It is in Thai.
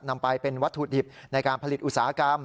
นำไปเป็นวัตถุดิบในการผลิตอุตสาหกรรม